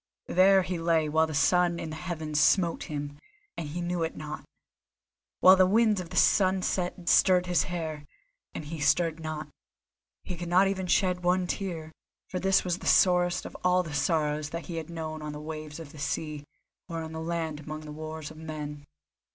There he lay while the sun in the heavens smote him, and he knew it not; while the wind of the sunset stirred in his hair, and he stirred not. He could not even shed one tear, for this was the sorest of all the sorrows that he had known on the waves of the sea, or on land among the wars of men.